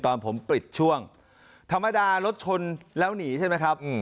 ตอนผมปิดช่วงธรรมดารถชนแล้วหนีใช่ไหมครับ